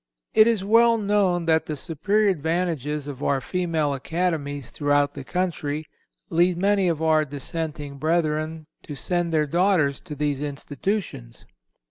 It is well known that the superior advantages of our female academies throughout the country lead many of our dissenting brethren to send their daughters to these institutions.